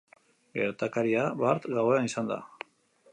Gertakaria bart gauean izan da.